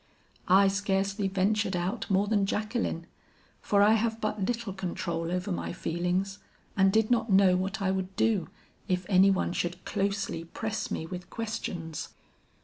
I scarcely ventured out more than Jacqueline; for I have but little control over my feelings and did not know what I would do, if any one should closely press me with questions.